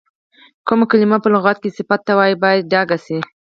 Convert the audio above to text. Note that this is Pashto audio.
کومه کلمه په لغت کې صفت ته وایي باید ډکه شي.